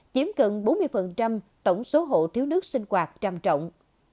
chiếm gần bốn mươi tổng số hộ thiếu nước sinh quạt trăm trọng